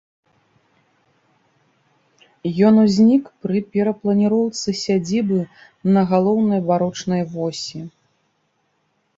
Ён узнік пры перапланіроўцы сядзібы на галоўнай барочнай восі.